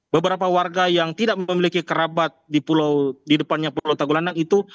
beberapa warga yang tidak memiliki kerabat di depannya pulau tagolandang itu